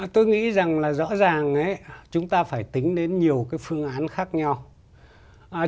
tôi nghĩ rằng là rõ ràng chúng ta phải tính đến nhiều phương án khác nhau